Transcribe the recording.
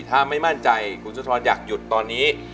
ถ้าไม่มั่นใจคุณสุธรอยากหยุดตอนนี้